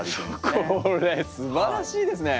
これすばらしいですね！